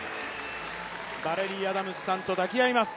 バレリー・アダムスさんと抱き合います。